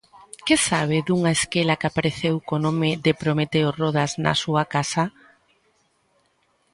_¿Que sabe dunha esquela que apareceu co nome de Prometeo Rodas na súa casa?